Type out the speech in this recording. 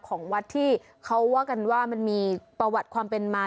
ของวัดที่เขาว่ากันว่ามันมีประวัติความเป็นมา